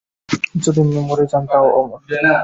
যদি মরে যান, তাও অমর!